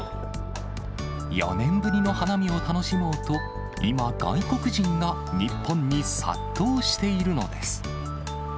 ４年ぶりの花見を楽しもうと、今、外国人が日本に殺到しているのです。